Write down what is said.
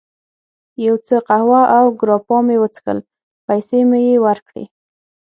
یو څه قهوه او ګراپا مې وڅښل، پیسې مې یې ورکړې.